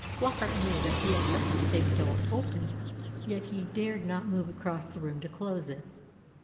Flockart knew that he had left the safe door open, yet he dared not move across the room to close it.